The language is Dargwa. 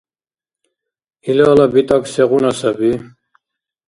Илала битӀакӀ сегъуна саби?